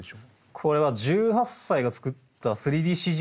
これは１８歳が作った３ＤＣＧの作品ですね。